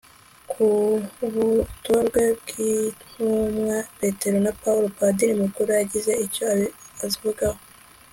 ku butorwe bw'intumwa petero na paulo, padiri mukuru yagize icyo azivugaho